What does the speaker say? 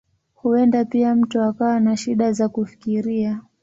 Huenda pia mtu akawa na shida za kufikiria.